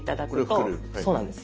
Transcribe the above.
そうなんです。